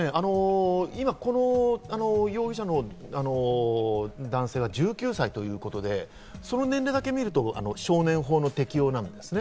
この容疑者の男性は今１９歳ということで、その年齢だけ見ると少年法の適用なんですね。